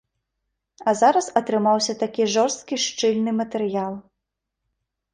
А зараз атрымаўся такі жорсткі шчыльны матэрыял.